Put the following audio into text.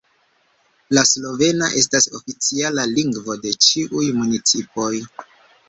La slovena estas oficiala lingvo de ĉiuj municipoj.